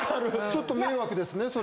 ちょっと迷惑ですね。